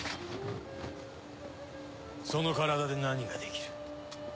その体で何ができる？